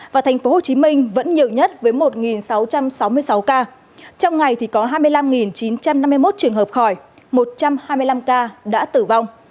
và thành phố hồ chí minh vẫn nhiều nhất với một sáu trăm sáu mươi sáu ca trong ngày thì có hai mươi năm chín trăm năm mươi một trường hợp khỏi một trăm hai mươi năm ca đã tử vong